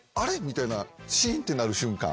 みたいなシーンってなる瞬間。